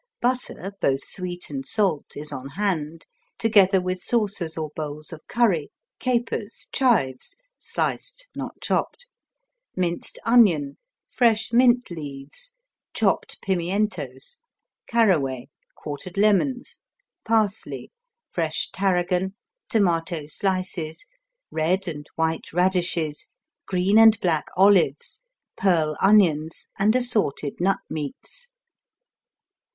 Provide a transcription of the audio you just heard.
Butter, both sweet and salt, is on hand, together with, saucers or bowls of curry, capers, chives (sliced, not chopped), minced onion, fresh mint leaves, chopped pimientos, caraway, quartered lemons, parsley, fresh tarragon, tomato slices, red and white radishes, green and black olives, pearl onions and assorted nutmeats.